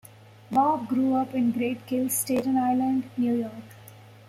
Bob grew up in Great Kills Staten Island New York.